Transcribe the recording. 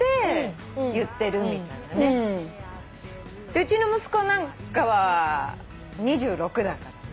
うちの息子なんかは２６だからね。